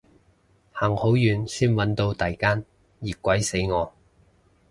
行好遠先搵到第間，熱鬼死我